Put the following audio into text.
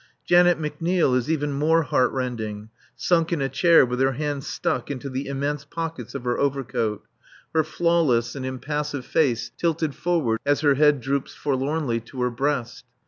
Janet McNeil is even more heart rending, sunk in a chair with her hands stuck into the immense pockets of her overcoat, her flawless and impassive face tilted forward as her head droops forlornly to her breast.